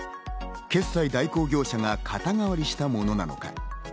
決済代行業者が肩代わりしたものなのか。